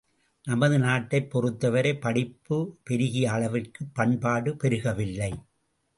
நமது நாட்டைப் பொறுத்தவரை படிப்புப் பெருகிய அளவிற்குப் பண்பாடு பெருகவில்லை.